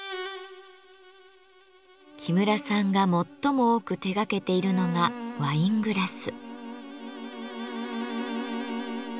木村さんが最も多く手がけているのがワイングラス。